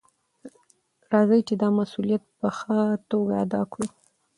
راځئ چې دا مسؤلیت په ښه توګه ادا کړو.